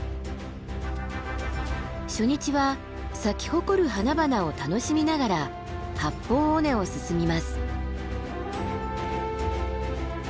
初日は咲き誇る花々を楽しみながら八方尾根を進みます。